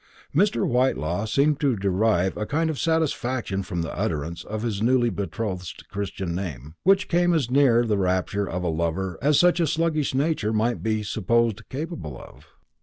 Mr. Whitelaw seemed to derive a kind of satisfaction from the utterance of his newly betrothed's Christian name, which came as near the rapture of a lover as such a sluggish nature might be supposed capable of.